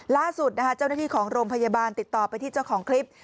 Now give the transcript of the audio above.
ล่าสุดเจ้าหน้าที่ของโรงพยาบาลติดต่อไปที่เจ้าของคลิป